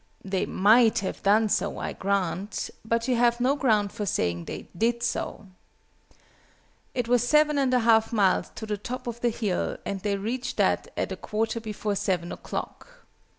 They might have done so, I grant; but you have no ground for saying they did so. "It was 7 1/2 miles to the top of the hill, and they reached that at 1/4 before 7 o'clock."